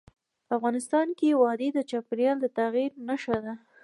افغانستان کې وادي د چاپېریال د تغیر نښه ده.